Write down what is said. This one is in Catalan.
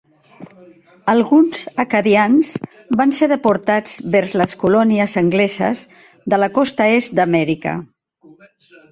Alguns acadians van ser deportats vers les colònies angleses de la costa est d'Amèrica.